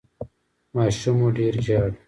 ماشوم مو ډیر ژاړي؟